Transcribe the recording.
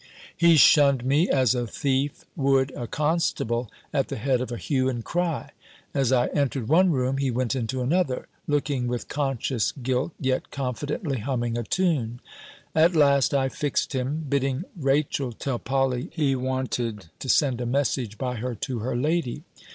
He shunned me, as a thief would a constable at the head of a hue and cry. As I entered one room, he went into another, looking with conscious guilt, yet confidently humming a tune. At last I fixed him, bidding Rachel tell Polly be wanted to send a message by her to her lady.